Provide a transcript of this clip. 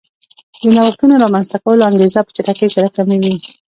د نوښتونو رامنځته کولو انګېزه په چټکۍ سره کموي